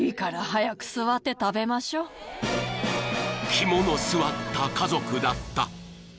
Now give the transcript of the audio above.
［肝の据わった家族だった］